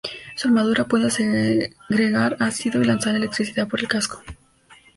Su armadura puede segregar ácido y lanzar electricidad por el casco.